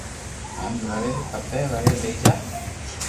ھين وري کپي وري لئي جا